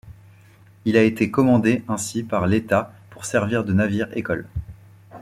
Il a été commandé ainsi par l'État pour servir de navire-école.